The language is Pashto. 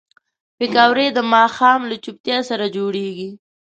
پکورې د ماښام له چوپتیا سره جوړېږي